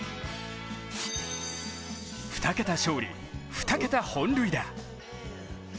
２桁勝利・２桁本塁打。